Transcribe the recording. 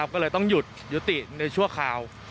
ก็เลยต้องหยุดยุติในชั่วคราว